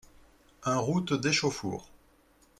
un route d'Échauffour